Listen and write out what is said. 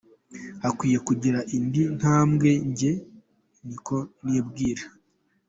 Hakwiye kugira indi ntambwe, njye ni ko nibwira.